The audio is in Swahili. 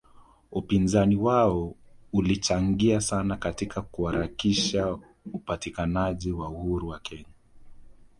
Upinzani wao ulichangia sana katika kuharakisha upatikanaji wa uhuru wa Kenya